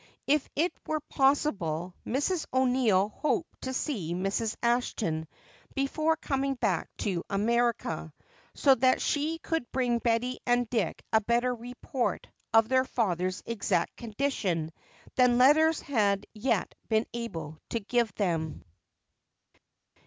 If it were possible Mrs. O'Neill hoped to see Mrs. Ashton before coming back to America, so that she could bring Betty and Dick a better report of their father's exact condition than letters had yet been able to give them.